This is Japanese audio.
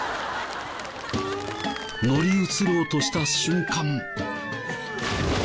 乗り移ろうとした瞬間。